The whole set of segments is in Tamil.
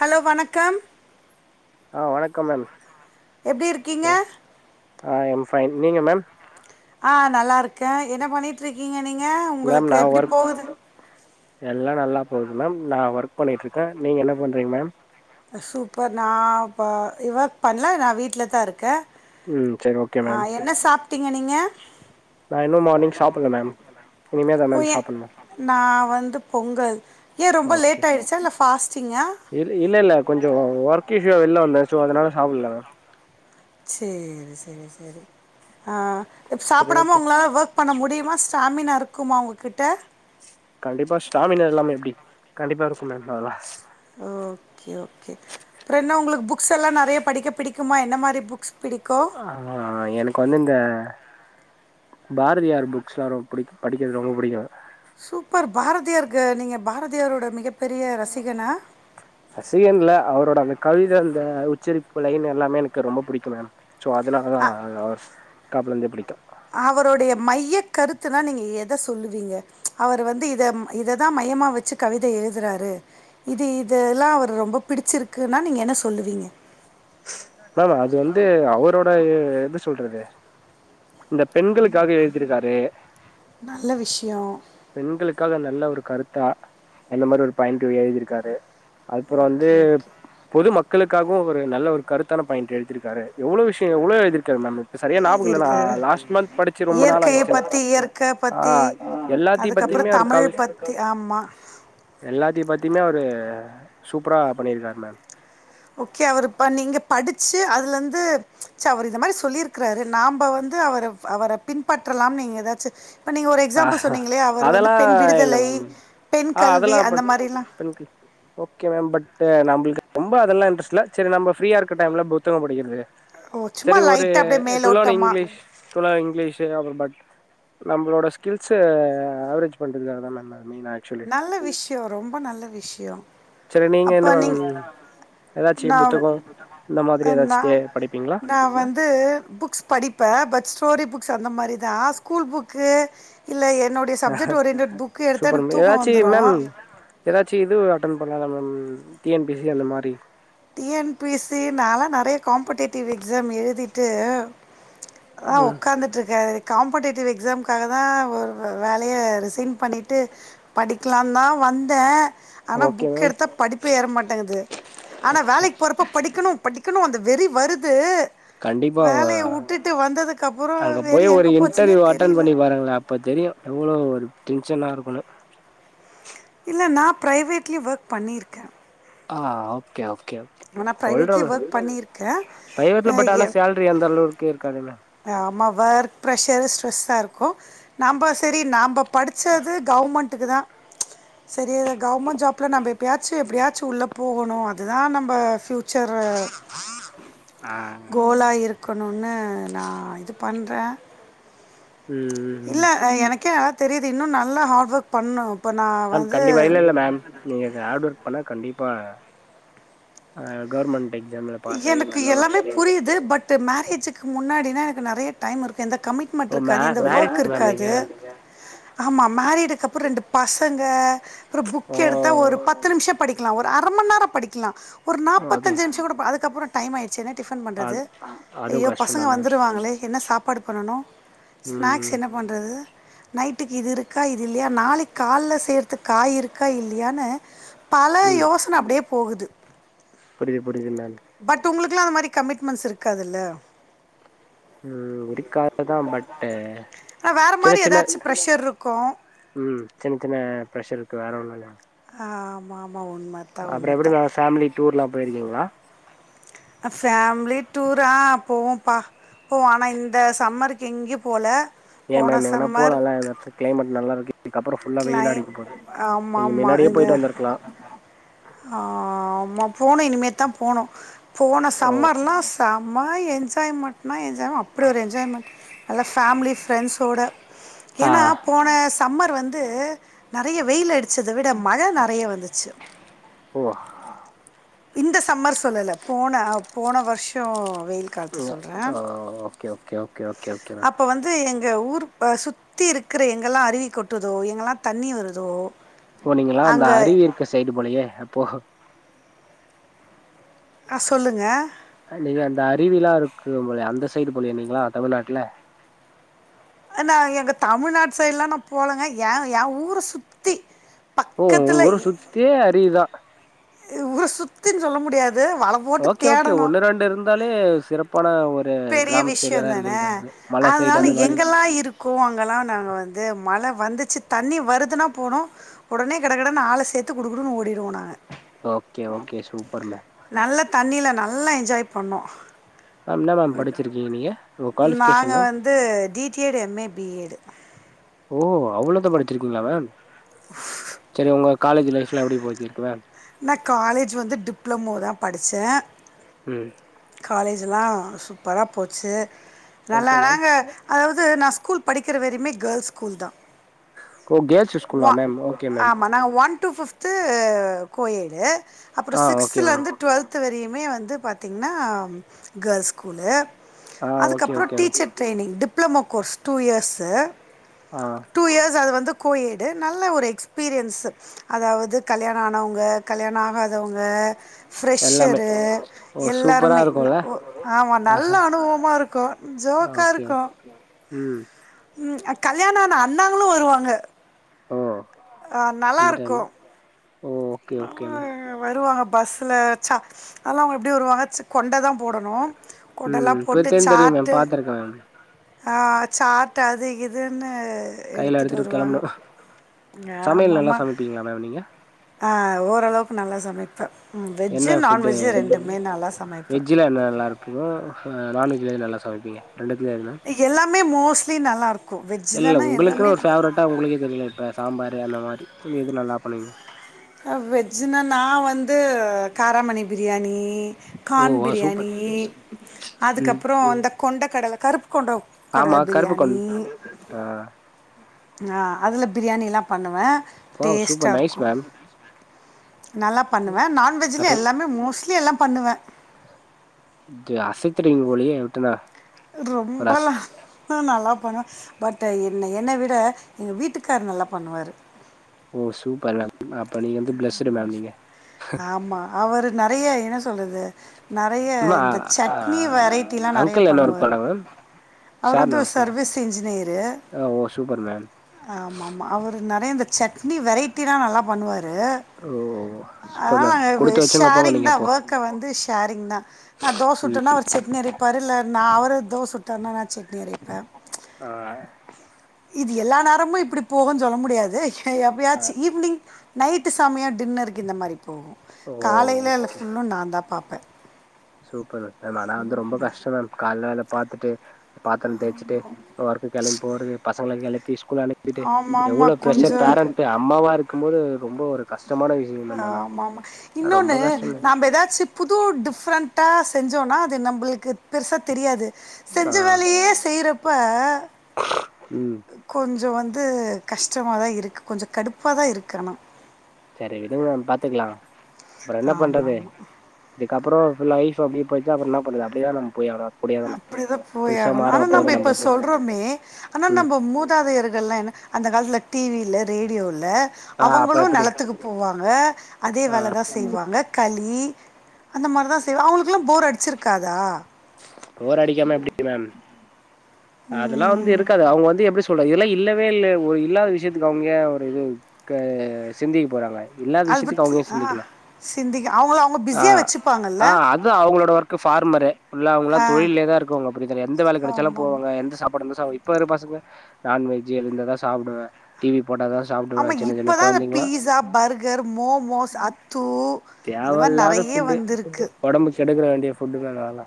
ஹலோ வணக்கம் ஆ வணக்கம் மேம் எப்டி இருக்கீங்க ஆ அயம் ஃபைன் நீங்க மேம் ஆ நல்லா இருக்கே என்ன பண்ணிட்டு இருக்கீங்க நீங்க மேம் உங்களுக்கு நா எப்டி ஒர்க் போகுது எல்லா நல்லா போது மேம் நா ஒர்க் பண்ணிட்டுருக்கே நீங்க என்ன பண்றீங்க மேம் சூப்பர் நா ப இ ஒர்க் பண்ணல நான் வீட்ல தா இருக்கே ம் சரி ஓக் ஆ என்ன சாப்ட்டீங்க நீங்க நா இன்னு மார்னிங் சாப்புட்ல மேம் இனிமே தா மேம் சாப்புட்னு நா வந்து பொங்கல் ஏ ரொம்ப லேட் ஆயிடுச்சா இல்ல ஃபாஸ்டிங்கா இல்ல இல்ல இல்ல கொஞ்ச ஒர்க் இஷ்யுவா வெளில வந்தே சோ அதனால சாப்புட்ல மேம் செரி செரி செரி ஆ இப்போ சரி சாப்புடாம ஓகே உங்களால ஒர்க் பண்ண முடியுமா ஸ்டாமினா இருக்குமா உங்ககிட்ட கண்டிப்பா ஸ்டாமினா இல்லாம எப்டி கண்டிப்பா இருக்கும் மேம் அதலா ஓகே ஓகே அப்றோ என்ன உங்களுக்கு புக்ஸ் எல்லா நெறைய படிக்க பிடிக்குமா என்ன மாரி புக்ஸ் பிடிக்கு ஆ எனக்கு வந்து இந்த பாரதியார் புக்ஸ்லா ரொம்ப புடிக்கு படிக்கிறது ரொம்ப புடிக்கு சூப்பர் பாரதியாருக்கு நீங்க பாரதியாரோட மிகப்பெரிய ரசிகனா ரசிகன் இல்ல அவரோட அந்த கவித அந்த உச்சரிப்பு லைன் எல்லாமே எனக்கு ரொம்ப புடிக்கும் மேம் ஸோ அதனால தா அவர்ஸ் அப்பலேருந்தே புடிக்கு அவரோடைய மைய கருத்துனா நீங்க எத சொல்லுவீங்க அவர் வந்து இத இததா மையமா வச்சு கவிதை எழுதுறாரு இது இதெல்லா அவரு ரொம்ப புடிச்சிருக்குன்னா நீங்க என்ன சொல்லுவீங்க மேம் அது வந்து அவரோட எ எப்டி சொல்றது இந்த பெண்களுக்காக எழுதிருக்காரு நல்ல விஷ்யோ பெண்களுக்காக நல்ல ஒரு கருத்தா அந்த மாறி ஒரு பாயிண்ட்டு எழுதியிருக்காரு அப்பறோ ஓகே, வந்து ஓகே. பொது மக்களுக்காகவு ஒரு நல்ல ஒரு கருத்தான பாயிண்ட் எழுத்திருக்காரு எவ்ளோ விஷ்யோ எவ்ளோ எழுதிருக்காரு மேம் இப்ப சரியா ஞாபகம் இல்ல நா எழுதியிருக்காரு. லாஸ்ட் மந்த் படிச்சு ரொம்ப நாள் இயற்கைய ஆயிடுச்சு பத்தி இயற்கை ஆ பத்தி, ஆ. எல்லாத்தையு பத்தியுமே அதுக்கப்புறம் ஒரு தமிழ் கவி பத்தி ஆமா. எல்லாத்தை பத்தியுமே அவரு சூப்பரா பண்ணிருக்காரு மேம் ஓகே அவரு பா நீங்க படிச்சு அதுல இருந்து ச்ச அவரு இந்த மாதிரி சொல்லிருக்கிறாரு நாம்ப வந்து அவரு அவர பின்பற்றலாம்னு நீங்க எதாச்சு இப்ப நீங்க ஒரு ஆ எக்ஸாம்பிள் சொன்னீங்களே அவரு வந்து அதெல்லா பெண் இல்ல விடுதலை மேம் பெண் கல்வி அந்த மாறிலா பெண்கள்க் ஓகே மேம் பட் நம்பள்க்கு ரொம்ப அதெல்லா இன்ட்ரெஸ்ட் இல்ல சேரி நம்ம ஃப்ரீய இருக்குற டைம்ல புத்தக படிக்கிறது ஓ சும்மா சேரி ஒரு லைட்டாக அப்படியே [unintelligible] மேலோட்டமாக இங்லீஷ் [unintelligible] இங்கிலீஷு பட் நம்மளோட ஸ்கில்ஸ்ஸ அவரேஜ் பண்றதுக்காக தான மேம் மெய்னா ஆக்சுவலி நல்ல விஷ்யோ ரொம்ப நல்ல விஷ்யோ சேரி நீங்க என்ன வாங்குனி ஏதாச்சு நான் புத்தக இந்த மாறி ஏதாச்சுத்தே படிப்பீங்களா து புக்ஸ் படிப்பே பட் ஸ்டோரி புக்ஸ் அந்த மாறி தா ஸ்கூல் புக்கு இல்ல என்னுடைய சப்ஜெக்ட் ஓரியன்டெட் புக்கு எடுத்தா எனக் ஏதாச்சி மேம் ஏதாச்சி இது அட்டென் பண்ணலாம்ல ma'am T N P S C அந்த மாறி டி என் பி சி நாலா நறையா காம்புடேட்டிவ் எக்ஸாம் எழுதிட்டு ஆ ம் உக்காந்துட்டு இருக்கே காம்படேட்டிவ் எக்ஸாம்காக தா ஒரு வேலைய ரிசைன் பண்ணிட்டு படிக்கலாம்னு தா வந்தே ஆனா ஓகே புக் மேம் எடுத்தா படிப்பே ஏற மாட்டேங்குது ஆனா வேலைக்கு போறப்ப படிக்கணு படிக்கணு அந்த வெறி வருது கண்டிப்பா வேலைய ஊட்டுட்டு வந்ததுக்கு அப்றோ அங்க வெறி எங்க போச்சுன்னே தெரியல இப்ப தெரியு எவ்ளோ ஒரு டென்ஷனா இருக்குன்னு இல்ல நா ப்ரைவேட்லயு ஒர்க் பண்ணிருக்கே ஆ ஓகே ஓகே ஆனா சொல்றே ப்ரைவேட்லயு மேம் ஒர்க் பண்ணிருக்கேன் அ எப் இப்பயு அந்த அளவுக்கே இருக்காதில்ல ஆமா ஒர்க் ப்ரெஷரு ஸ்ட்ரெஸ்ஸா இருக்கு நாம சேரி நம்ப படிச்சது கவர்மெண்ட்டுக்கு தா சேரி அது கவர்மெண்ட் ஜாப்ல நம்ப எப்பயாச்சு எப்படியாச்சு உள்ள போகணு அது தா நம்ம ஃப்யூச்சரு ஆ கோலா இருக்கு க்கணும்னு நா இது பண்றே ம் ம் இல்ல எனக்கே நல்லா தெரியுது இன்னு நல்லா ஹார்ட் ஒர்க் பண்ணு இப்ப நா மேம் வந்து கண்டிப்பா இல்ல இல்ல மேம் நீங்க அந்த ஹார்ட் ஒர்க் பண்ணா கண்டிப்பா அ கவர்மெண்ட் எக்ஸாம்ல பாஸ் ஆகி எனக்கு நல்ல ஒரு எல்லாமே ஸ்டேஜ் புரியுது பட் மேரேஜுக்கு முன்னாடினா எனக்கு நெறையா டைம் இருக் எந்த கமிட்மெண்ட் ஓ மே இருக்காது எந்த ஒர்க் மேரிட் மேம் நீங்க இருக்காது ஆமா மேரிடுக்கு அப்றோ ரெண்டு பசங்க அப்றோ ஓ புக் எடுத்து தா ஒரு பத்து நிமிஷோ படிக்கலா ஒரு அரைமணி நேரோ படிக்கலா ஒரு அது நாற்பத்தஞ்சு நிமிஷோ கூட அதுக்கு அப்றோ டைம் ஆய்டுச்சுன்னு டிஃபன் பண்றது அது அதுவு ஐயோ பசங்க கஷ்டந்தா மேம் வந்துருவாங்களே என்ன சாப்பாடு பண்ணனு ஸ்நாக்ஸ் ம் என்ன பண்றது நைட்டுக்கு இது இருக்கா இது இல்லையா நாளைக்கு காலைல செய்றதுக்கு காய் இருக்கா இல்லையான்னு பால் ம் யோசன அப்டியே போகுது அப்படி அப்படி என்ன பட் உங்களுக்கு எல்லா அந்த மாதிரி கமிட்மெண்ட்ஸ் இருக்காதில்ல ம் இருக்காதுதா பட் ஆனா வேற சின்ன மாதிரி சின்ன ஏதாச்சு ப்ரெஷர் இருக்கு ம் சின்ன சின்ன ப்ரெஷ்சர் இருக்கு வேற ஒன்னு இல்ல ஆ ஆமா ஆமா உண்மதா அப்றோ எப்டி மேம் ஃபேமிலி டூர் எல்லா போயிருக்கீங்களா ஃபேமிலி டூரா அ போவோம்ப்பா போவொ ஆனா இந்த சம்மருக்கு எங்கயு போல ஏ போன மேம் எங்கனாலு சம்மர் போலால்ல கிளைமெட் நல்லா இருக்கு இதுக்கப்றோ ஃபுல்லா வெயிலா கிளைம் அடிக்க போது ஆமா நீங்க முன்னாடியே போயிட்டு வந்திருக்கலா ஆமா போனு இனிமே தா போனு போன ஓ சம்மர்லா செம என்ஜாய்மென்ட்னா என்ஜாய்மெண்ட் அப் அப்டி ஒரு என்ஜாய்மெண்ட் நல்லா ஃபேமிலி ஃப்ரெண்ட்ஸோடு ஆ ஏன்னா போன சம்மர் வந்து வந்து நெறைய வெயில் அடிச்சத விட மழை நெறைய வந்துச்சு ஓ இந்த சம்மர் சொல்லல போன போன வருஷோ வெயில் காலத்தை சொல்கிறேன் ஆ okay okay okay okay okay ma'am இப்போ வந்து எங்கள் ஊர் சுத்தி இருக்கற எங்கல்லா அருவி கொட்டுதோ எங்கெல்லா தண்ணி வருதோ போனீங்களா அந்த அங்கே அருவி இருக்க சைடு போலயே அப்போ ஆ சொல்லுங்க நீங்க அந்த அருவில்லா இருக்குபோல அந்த சைடு போலயா நீங்களா தமிழ்நாட்ல நா எங்க தமிழ்நாட் சைட்லா நா போலங்க எ எ ஊர சுத்தி ஓ உங்க சுத்தியே அருவி தா ஊர சுத்தின் சொல்ல முடியாது வள ஓகே ஓகே ஒன்னு ரெண்டு இருந்தாலே சிறப்பான ஒர் பெரிய விஷ்யோ தான சைடு அதனால அந்த மாரி எங்கெல்லா இருக் கோ அங்கெல்லா நா வந்து மழ வந்துச்சு தண்ணி வருதுன்னா போனு உடனே கடக்கடனு ஆள சேத்து குடு குடு ஓடிடுவோ நாங்க ஓகே ஓகே சூப்பர் ம நல்ல தண்ணில நல்லா என்ஜாய் பண்ணோ மேம் என்ன மேம் படிச்சிருக்கீங்க நீங்க உங்க குவாலிஃபிகேஷன் நாங்கள் மேம் வந்து டிடிஎட் எம்ஏ பிஎட் ஓ அவ்ளதா படிச்சிருக்கீங்களா மேம் சரி உங்க காலேஜ் லைஃப்லா எப்டி போச்சி கு மேம் நா காலேஜ் வந்து டிப்ளமோ தா படிச்ச ம் காலேஜ்லா சூப்பரா போச்சு நல்லா ஓகே மேம் நாங்க அதாவது நா ஸ்கூல் படிக்கிற வரிமே கேர்ள்ஸ் ஸ்கூல் தா ஓ கேர்ள்ஸ் ஸ்கூலா ஒ மேம் ஓகே மேம் ஆமா நா ஒன் ஃபிஃப்து கோயெடு அப்றோ ஆ ஓகே சிக்ஸ்த்ல மேம் இருந்து டுவெல்த் வரையுமே வந்து பாத்தீங்கன்னா கேர்ள்ஸ் ஸ்கூலு ஆ அதுக்கு ஓகே அப்றோ okay ma'am teacher training diploma course two years ஆ டூ இயர்ஸ் அது வந்து கோயெடு நல்ல ஒரு எக்ஸ்பீரியன்ஸு அதாவது கல்யாண ஆனவங்க கல்யாண ஆகாதவங்க எல்லாமே ஃப்ரெஷ்ஷரு ஓ சூப்பரா எல்லாருமே இருக்குல்ல ஆமா நல்ல அனுபவமா இருக்கு ஜோக்கா ஓகே இருக்கு ம் ம் கல்யாணம் ஆன அண்ணாங்களு வருவாங்க ஓ அ அந்த நல்லாருக்கு டைம் ஓ ஓகே ஓகே மேம் வருவாங்க பஸ்ல சா அதெல்லா அவுங்க எப்டி வருவாங்க சு கொண்ட தா போடணு கொண்டல்லா ம் இப்ப போட்டு தெரியு தெரியு மேம் சாட்டு பாத்துருக்கே மேம் சாட்டு அதுகிதுன்னு கைல எடுத்துட்டு கெளம்பணு சமையல் நல்லா ஆமாமா சமைப்பீங்களா மேம் நீங்க ஆ ஓரளவுக்கு நல்லா சமைப் ப வெஜ்ஜு என்ன ஃபுட்டு நான்வெஜ்ஜு ரெண்டுமே நல்லா சமைப்ப னோ நான்வெஜ்ல என்ன நல்லா சமைப்பீங்க ரெண்டு தத்துவ எதனா எல்லாமே மோஸ்ட்லி நல்லாருக்கு வெஜ்ஜிலனா எல்லாமே நல் ட உங்களுக்கே தெரியுல இப்ப சாம்பாரு அந்த மாரி எது நல்லா பண்ணுவீங்க வெஜ்ஜுன்னா நான் வந்து காராமணி பிரியாணி ஓ கான் வா சூப்பர் பிரியாணி அதுக்கு ம் அப்றோ இந்த கொண்ட கடல கருப்பு கொண்ட கடல ஆமா பிரியாணி கருப்புக்கொண் ஆ ஆ அதுல பிரியாணி எல்லா வாவ் டேஸ்ட்டா சூப்பர் நைஸ் இருக்கு மேம் நல்லா பண்ணுவே அப்ப நான்வெஜ்லயும் எல்லாமே மோஸ்ட்லி எல்லா பண்ணுவேன் அசத்துரிங்க போலியே விட்டுர்ந்த ரொம்பல்லா நல்லா பண்ணுவேன் பட் என்ன என்ன விட எங்க வீட்டுக்கார் நல்லா பண்ணுவரு ஓ சூப்பர் மேம் அப்ப நீங்க வந்து பிளஸ்டு மேம் நீங்க ஆமா அவரு நெறைய என்ன சொல்றது நெறைய மேம் ஆ இந்த ஆ சட்னி வெரைட்டில நெறைய அங்கிள் என்ன ஒர்க் பண்ணுவாரு பண்றாங்க மேம் அவர் சார் வந்து என்ன ஒரு ஒர்க் பண்றாங்க சர்வீஸ் இன்ஜினியரு ஆ ஓ சூப்பர் மேம் ஆமா மா அவர் நெறைய இந்த சட்னி வெரைட்டிலா நல்லா பண்ணுவாரு ஓ சப்பர் மேம் குடுத்து வெச்சுங்க போங்க நீங்க அப்போ க்க வந்து ஷேரிங் தான் நான் தோச சுட்டேன்னா அவர் சட்னி அரைப்பாரு இல்ல நான் அவர் தோச சுட்டார்ருன்னா நான் செட்னி அரைப்பேன் ஆ இது எல்லா நேரமும் இப்டி போகன்னு சொல்ல முடியாது ஆ எப்பாயச்சு ஈவினிங் நைட்டு சமயம் டின்னருக்கு இந்த மாரி போகும் காலையில ஓ எல் ஃபுல்லும் நான் தான் பாப்பேன் சூப்பர் மேம் ஆனா வந்து ரொம்ப கஷ்டம் மேம் காலைல வேல பாத்துட்டு பாத்திரம் தேய்சிட்டு ஒர்க்க கிளம்பி போறது பசங்கள கிளத்தி ஸ்கூல் அனு விட்டு ஆமாம் எவ்ளோ ஆமாம் பிர்ஷர் கொஞ்சம் பேரண்ட் அம்மாவா இருக்கும் போது ரொம்ப ஒரு கஷ்டமான வி ஆ ஆமா ஆமா இன்னொன்னு நாம ஏதாச்சு புது டிஃப்ரெண்ட்டா செஞ்சோன்னா அது நம்மளுக்கு பெருசாக தெரியாது ஆ செஞ்ச வேலையே செய்யறப்ப ம் கொஞ்ச வந்து வந்து கஷ்டமா தான் இருக்கு கொஞ்சம் கடுப்பா தா இருக்கு ஆனா செரி விடுங்க பாத்துக்கலா வேற என்ன ஆமா பண்றது ஆமா இதுக்கு அப்றோ லைப் அப்டியே போச்சுனா அப்புற என்ன பண்றது அப்டியேதா நம்ம போய் ஆன அப்டிதான் போய் ஆகணும் ஆனா நம்ம இப்ப நம்மளுக்கு சொல்றோமே ஆனா ம் நம்ம மூ த்தாயிர்கள் என்ன அந்த காலத்துல டிவி இல்ல ரேடியோ இல்ல ஆ அப்ப அவங்கலு எப்டி நிலத்துக்கு போவாங்க அதே ஆ வேலைதா செ செய்வாங்க களி அந்த மாரி தான் செய்வா அவங்களுக்குல்லா போர் அடிச்சிருக்காதா போர் அடிக்காம எப்டி மேம் அதெல்லாம் ம் வந்து இருக்காது அவங்க வந்து எப்டி சொ இதெல்லா இல்லவே இல்ல ஒரு இல்லாத விஷயத்துக்கு அவங்க ஏன் ஒரு இது க்கே சிந்திக்க போறாங்க இல்லாத அது விஷயத்துக்கு பற்றி அவங்க‌ ஏன் ஆ சிந்திக்கணு சிந்திக்க அவங்கள அவங்க பிஸியாக வச்சுப்பாங்கல்ல ஆ அது அவங்களோட ஒர்க் ஃபார்மரு ஃபுள்ளா அவங்களா ஆ தொழிலேதான் இருக்கங்க அப்டி கிடையாது இந்த வேல கிடைச்சாலும் ஆமாம் போவாங்க எந்த சாப்பாடு இந்த இப்ப இரு பசங்க நான்வெஜ் அது இருந்தாதா சாப்டுவே டிவி போட்டாதான் சாப்டுவேன் ஆமாம் சின்ன இப்போ சின்ன தான் இந்த கொழந்தைங்களா பீஸா பர்கர் மோமோஸ் அத்து அந்த மாதிரி தேவயில்லாத நிறைய ஃபுட்டு வந்திருக்கு ஒடம்புக்கு கெடுக்க வேண்டிய ஃபுட்டு அதுல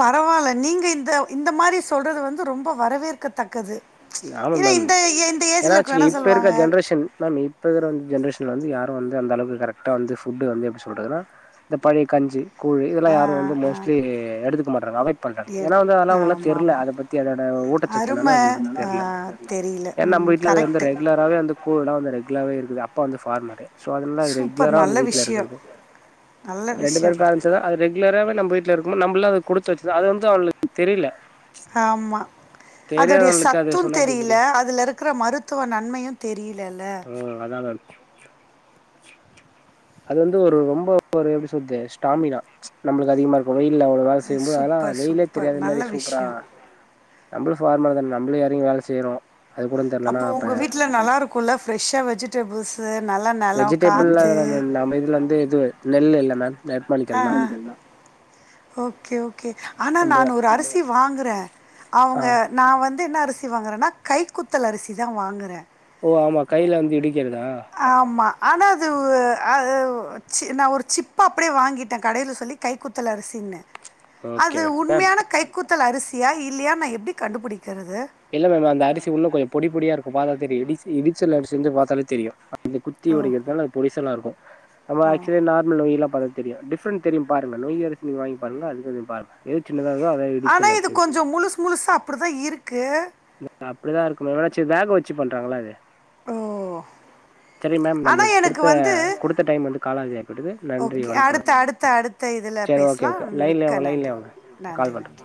பரவாயில்ல நீங்க இந்த இந்த மாரி சொல்றது வந்து ரொம்ப வரவேற்கத்தக்கது ஆமா ஏன்னா மேம் இந்த இந்த ஏஜில் ஏனாச்சு இருக்க என்ன இப்ப இருக்க சொல்லுவாங்க ஜென்ரேஷன் மேம் இப்போ இருக்குற ஜென்ரேஷனில் வந்து யாரும் வந்து அந்தளவுக்கு கரெக்டா வந்து ஃபுட்டு வந்து எப்டி சொல்றதுன்னா இந்த பழைய கஞ்சி கூழு ஆ இதெல்லாம் யாரும் வந்து ஆ மோஸ்ட்லி எடுத்துக்க மாட்டறாங்க அவாய்ட் பண்றாங்க ஏனா வந்து அதல்ல அவங்க தெரியல அத பத்தி அத ஊட்ட ஊட்டச்சத்து அரும என்னன்னு தெர்ல ஏன்னா நம்ம வீட்ல அது வந்து ரெகுலராவே வந்து கூழ்ல்லா வந்து ரெகுலாவே இருக்குது அப்பா வந்து ஃபார்மரு சோ அதுன்னா அது சூப்பர் ரெகுலரா நல்ல வந்து வீட்ல விஷயம் இருக்கறது நல்ல ரெண்டு விஷயம் பேருமே [unintelligible] அது ரெகுலராவே நம்ம வீட்ல இருக்கு நம்மளா அது குடுத்து வச்சது அது வந்து அவங்களுக்கு தெரியல ஆமா அதோடைய தெரியாதவங்களுக்கு சத் த்து அது சொன்னா எப்டி தெரியல புரியு அதுல இருக்குற மருத்துவ நன்மையு தெரியலல்ல அ அதால [unintelligible] அது வந்து ஒரு ரொம்போ ஒரு எப்பிடி சொல்த்து ஸ்டாமினா நம்மளுக்கு அதிகமாருக்கு வெயில்ல அவ்ளோவு வேல செய்யும்போது ஆனா சூப்பர், வெயில்லே சூப்பர். நல்ல தெரியாது சூப்பரா விஷயம். நம்மளு ஃபார்மர் தான நம்புளு எளங்கி வேல செய்யுறோ அப்போ உங்க வீட்ல நல்லா இருக்குல்ல ஃபிரெஷ்ஷா வெஜிடபிள்ஸு நல்லா வெஜிடேபிள்லா நம்ம இதுல வந்து எதுவு நெல்லு எல்லாமே ஆ, நெற்மணிக்கல் தா ஆ. ஓகே ஓகே ஆனா நம்ப நான் ஒரு அரிசி வாங்குறே ஆ அவுங்க நா வந்து என்ன அரிசி வாங்குகுறேன்னா கைக்குத்தல் அரிசி தா வாங்குறே ஓ ஆமா கைல வந்து இடிக்கிறதா ஆமா ஆனா அது ஒ அ அ அ ஒ சி நா ஒரு சிப்பா அப்பிடியே வாங்கிட்டே கடையில சொல்லி கை குத்தல் அரிசின்னு ஓகே அது மேம் மேம் உண்மையான கை கூத்தல் அரிசியா இல்லையா நா எப்பிடி கண்டுபுடிக்கிறது இல்ல மேம் அந்த அரிசி உள்ள கொஞ்சோ பொடி பொடி இருக்கு பாத்தாலே தெரியு இடி இடிச்சல் அரிசி வந்து பாத்தாலே தெரியு இது குத்தி ஓ! உடைக்கிறதுனால அது பொடிசலாருக்கு நம்ம ஓ! ஆக்சுவலி நார்மல் வெயில்லா பாக்கறது தெரியு டிஃப்ரெண்ட் தெரியு பாருங்க நொய் அரிசி நீங் வாங்கி பாருங்க அதா ஆனா இடிச்சல் இது அரிசி கொஞ்சோ முழுசு முழுசா அப்பிடி தா இருக்கு அப்படிதா இருக்கு ஏனாச்செரி வேக வச்சு பண்றாங்கள அது ஓ செரி மேம் ஆனா நம்மளுக்கு எனக்கு குடுத்த வந்து குடுத்த டைம் வந்து காலாவதி ஆயிப்பட்டது நன்றி ஓகே. வணக்கோ மேம் அடுத்த அடுத்த அடுத்த இதில செரி ஓகே பேசலாம். ஓகே லைன்லே மிக்க வாங்க லைன்லயே நன்றி. வாங்க நா நன்றி, கால் பண்றே நன்றி.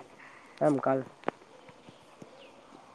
ஆ கால்